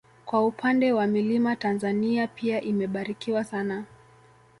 Kwa upande wa milima Tanzania pia imebarikiwa sana